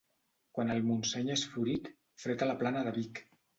Quan el Montseny és florit, fred a la Plana de Vic.